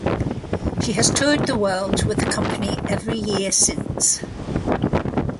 She has toured the world with the company every year since.